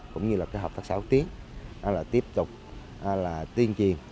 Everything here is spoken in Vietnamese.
cũng như là cái hợp tác xã úc tiến là tiếp tục là tiên triền